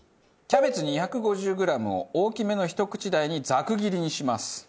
キャベツ２５０グラムを大きめのひと口大にザク切りにします。